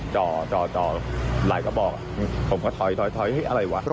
จอจอจออะไรก็บอกผมก็ถอยอะไรวะ